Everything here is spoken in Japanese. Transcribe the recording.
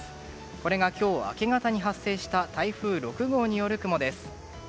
これが今日明け方に発生した台風６号による雲です。